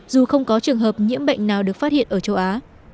dù không có trường hợp nhiễm bệnh nào được phát hiện ở châu á